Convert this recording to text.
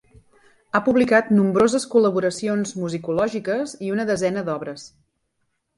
Ha publicat nombroses col·laboracions musicològiques i una desena d'obres.